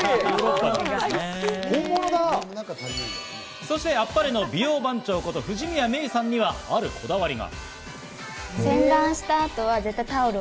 そしてＡｐｐａｒｅ！の美容番長こと、藤宮めいさんにはあるこだわりが。